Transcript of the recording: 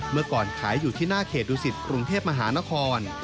เมื่อก่อนขายอยู่ที่หน้าเขตดูสิตกรุงเทพมหานคร